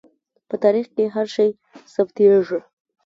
په تاریخ کې هر شی ثبتېږي.